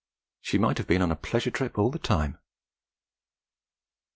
She might have been on a pleasure trip all the time.